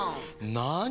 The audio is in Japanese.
なに？